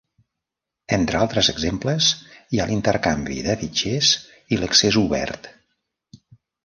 Entre altres exemples, hi ha l'intercanvi de fitxers i l'accés obert.